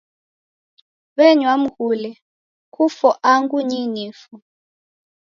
W'enywa mghule, "kufo angu nyii nifo."